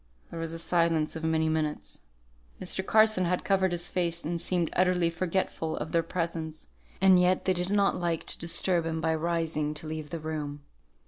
There was a silence of many minutes. Mr. Carson had covered his face, and seemed utterly forgetful of their presence; and yet they did not like to disturb him by rising to leave the room.